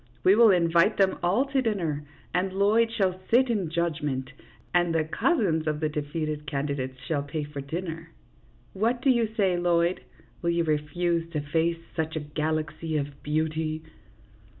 " We will invite them all to dinner, and Lloyd shall sit in judgment, and the cousins of the defeated candidates shall pay for the dinner. What do you say, Lloyd ? Will you refuse to face such a galaxy of beauty